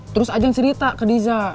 terus ajang cerita ke diza